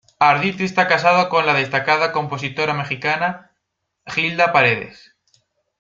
Arditti está casado con la destacada compositora mexicana Hilda Paredes.